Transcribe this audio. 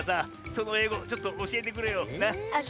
そのえいごちょっとおしえてくれよなっ？